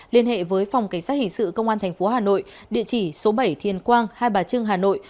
liên hệ với phòng cảnh sát hình sự công an tp hà nội địa chỉ số bảy thiên quang hai bà trưng hà nội